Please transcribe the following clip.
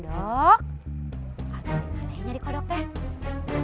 aduh gimana ini nyari kodok teh